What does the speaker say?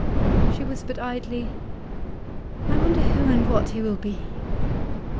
She whispered idly, 'I wonder who and what he will be?